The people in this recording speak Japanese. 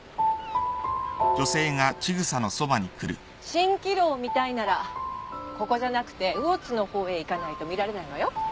蜃気楼を見たいならここじゃなくて魚津の方へ行かないと見られないわよ。